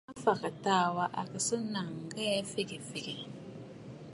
Mafàgə̀ taà wa à kɨ̀ sɨ́ nàŋə̀ ŋghɛɛ fagə̀ fàgə̀.